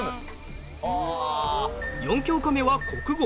４教科目は国語。